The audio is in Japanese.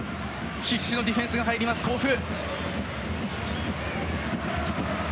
必死のディフェンスが入ります甲府。